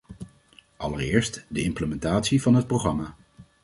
Allereerst de implementatie van het programma.